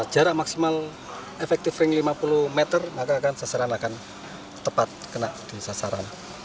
jarak maksimal efektif ring lima puluh meter maka akan sasaran akan tepat kena di sasaran